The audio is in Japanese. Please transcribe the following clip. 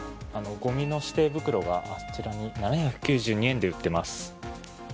ごみの指定袋が７９２円で売っています。